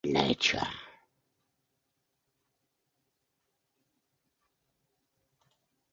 It is not cultivated or grown and it does not occur in nature.